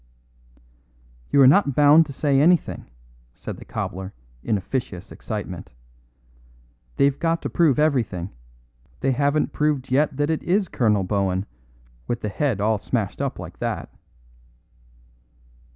"You are not bound to say anything," said the cobbler in officious excitement. "They've got to prove everything. They haven't proved yet that it is Colonel Bohun, with the head all smashed up like that."